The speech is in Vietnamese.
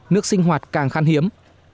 nước sinh hoạt càng khăn hiếm